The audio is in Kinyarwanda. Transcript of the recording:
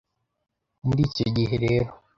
Muri icyo gihe rero